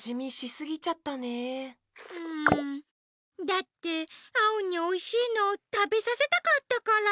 だってアオにおいしいのたべさせたかったから。